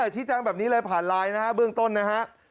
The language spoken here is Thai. อ๋อชิฟฯจังงี้แบบนี้เลยผ่านไลน์นะครับเบื้องต้นน่ะครับ